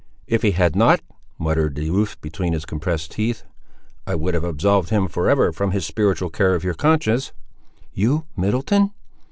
"If he had not," muttered the youth between his compressed teeth, "I would have absolved him for ever from his spiritual care of your conscience!" "You, Middleton!"